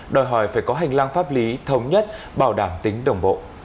đòi hỏi phải có hành lang pháp lý thống nhất bảo đảm tính đồng bộ